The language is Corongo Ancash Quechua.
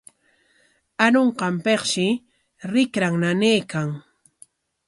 Arunqanpikshi rikran nanaykan.